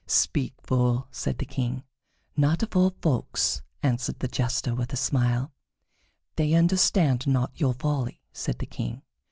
"Speak, Fool!" said the King. "Not afore folks," answered the Jester, with a smile. "They understand not your folly," said the King.